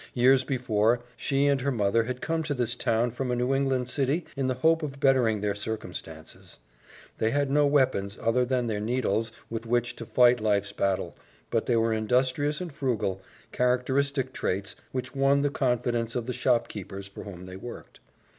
Years before, she and her mother had come to this town from a New England city in the hope of bettering their circumstances. They had no weapons other than their needles with which to fight life's battle, but they were industrious and frugal characteristic traits which won the confidence of the shopkeepers for whom they worked.